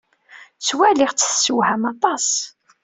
Ttwaliɣ-tt tessewham aṭas.